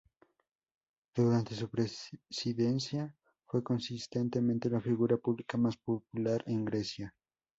Durante su presidencia, fue consistentemente la figura pública más popular en Grecia.